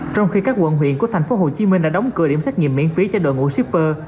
trong khi các quận huyện của thành phố hồ chí minh đã đóng cửa điểm xét nghiệm miễn phí cho đội ngũ shipper